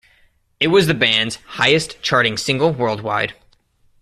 It was the band's highest-charting single worldwide.